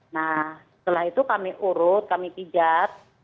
nah setelah itu kami urut kami pijat